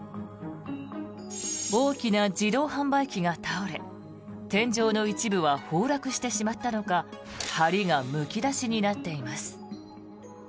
大きな自動販売機が倒れ天井の一部は崩落してしまったのかはりがむき出しになっています。